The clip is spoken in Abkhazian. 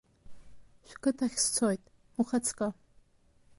Шәқыҭахь сцоит, ухаҵкы.